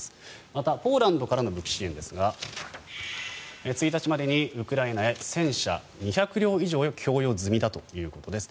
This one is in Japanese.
また、ポーランドからの武器支援ですが１日までにウクライナへ戦車２００両以上を供与済みだということです。